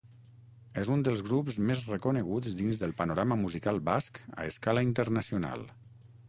És un dels grups més reconeguts dins del panorama musical basc a escala internacional.